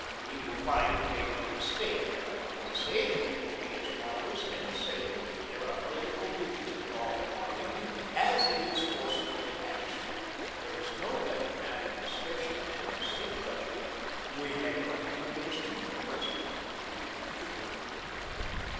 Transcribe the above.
You will find you made no mistake; and I want to say that he will be as wise and safe, if there are political duties devolving on him, as he is forcible in action. There is no better man in discretion and safe judgment. We may run him against you for President. He would make a good one."